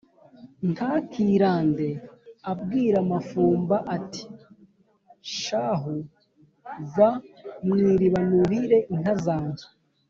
ntakirande abwira mafumba ati : "shahu, va mu iriba nuhire inka zanjye"